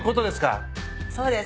そうです。